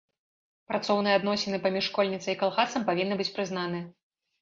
Працоўныя адносіны паміж школьніцай і калгасам павінны быць прызнаныя.